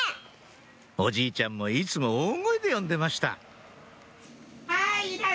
おじいちゃんもいつも大声で呼んでましたあら。